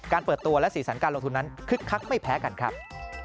เปิดตัวและสีสันการลงทุนนั้นคึกคักไม่แพ้กันครับ